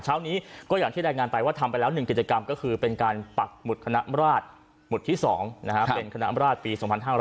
เช้านี้ก็อย่างที่รายงานไปว่าทำไปแล้ว๑กิจกรรมก็คือเป็นการปักหมุดคณะราชหมุดที่๒เป็นคณะราชปี๒๕๖๐